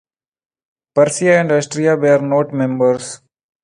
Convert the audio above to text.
Prussia and Austria were not members.